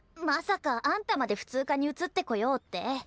まさかあんたまで普通科に移ってこようって？